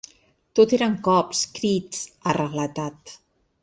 Tot eren cops, crits, ha relatat.